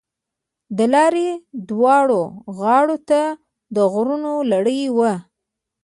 د لارې دواړو غاړو ته د غرونو لړۍ وه.